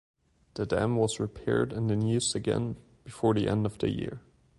The dam was repaired and in use again before the end of the year.